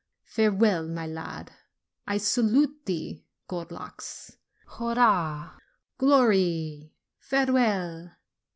"Farewell, my lad!" "I salute thee, gold locks!" "Hurrah!" "Glory!" "Farewell!"